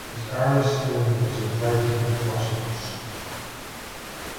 His early schooling was at Brighton and Brussels.